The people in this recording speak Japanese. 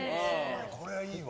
これはいいわ。